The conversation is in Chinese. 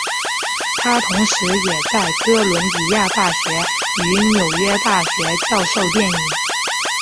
他同时也在哥伦比亚大学与纽约大学教授电影。